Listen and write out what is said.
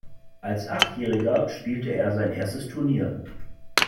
Als Achtjähriger spielte er sein erstes Turnier.